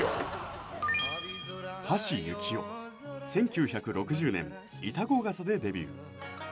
橋幸夫１９６０年「潮来笠」でデビュー